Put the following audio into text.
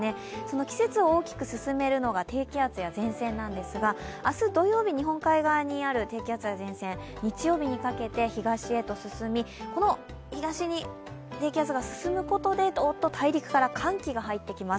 季節を大きく進めるのが低気圧や前線なんですが、明日土曜日、日本海側にある低気圧や前線、日曜日にかけて東へと進み、東に低気圧が入ることで寒気が入ってきます。